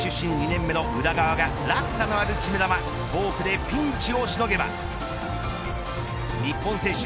２年目の宇田川が落差のある決め球フォークでピンチをしのげば日本選手